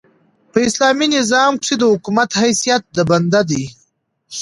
په اسلامي نظام کښي د حکومت حیثیت د بنده دئ.